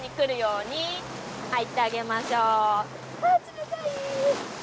あ冷たい！